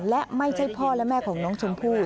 และไม่ใช่พ่อและแม่ของน้องชมพู่